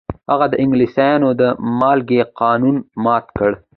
هغه د انګلیسانو د مالګې قانون مات کړ.